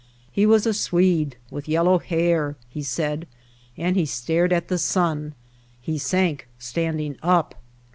"He was a Swede with yellow hair," he said, "and he stared at the sun. He sank stand ing up."